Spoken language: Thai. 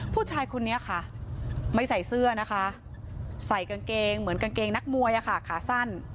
ผู้ชายคนนี้ค่ะไม่ใส่เสื้อนะคะใส่กางเกงเหมือนกางเกงนักมวยอะค่ะขาสั้น